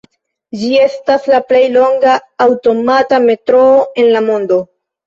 Ĝi estas la plej longa aŭtomata metroo en la mondo.